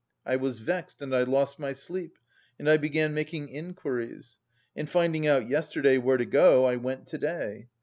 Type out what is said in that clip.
I was vexed and I lost my sleep, and I began making inquiries. And finding out yesterday where to go, I went to day.